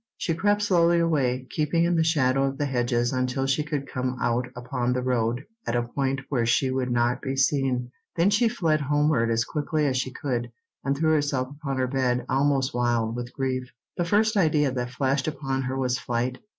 She crept slowly away, keeping in the shadow of the hedges until she could come out upon the road at a point where she would not be seen. Then she fled homeward as quickly as she could, and threw herself upon her bed, almost wild with grief. The first idea that flashed upon her was flight.